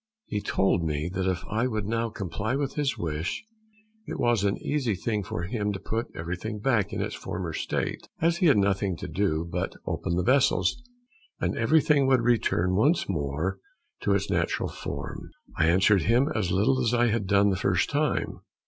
He told me that if I would now comply with his wish, it was an easy thing for him to put everything back in its former state, as he had nothing to do but open the vessels, and everything would return once more to its natural form. I answered him as little as I had done the first time.